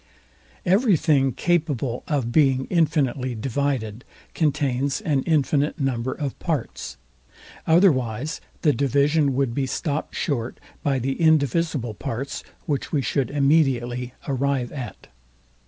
Every thing capable of being infinitely divided contains an infinite number of parts; otherwise the division would be stopt short by the indivisible parts, which we should immediately arrive at.